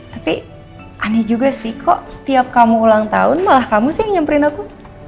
tapi aneh juga sih kok setiap kamu ulang tahun malah kamu sih yang nyamperin aku